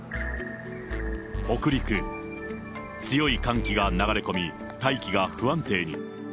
北陸、強い寒気が流れ込み、大気が不安定に。